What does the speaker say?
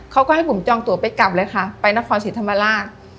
เขาก็ให้บุ๋มจองตั๋วไปกลับเลยค่ะไปนครสิทธิ์ธรรมดา